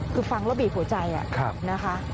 คือฟังแล้วบีบหัวใจนะคะ